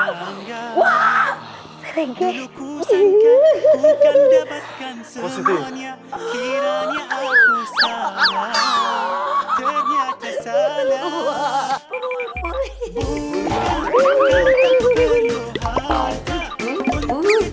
hai wah keren kek ini bukan dapatkan semuanya kiranya aku salah ternyata salah